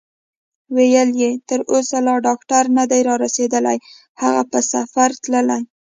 ویل یې: تر اوسه لا ډاکټر نه دی رارسېدلی، هغه په سفر تللی.